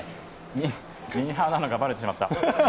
ミーハーなのがバレてしまった。